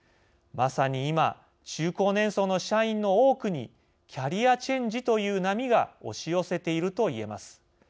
まさに今中高年層の社員の多くにキャリアチェンジという波が押し寄せているといえます。